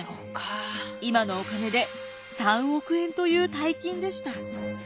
今のお金で３億円という大金でした。